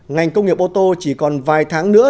ngành công nghiệp ô tô chỉ còn vài tháng nữa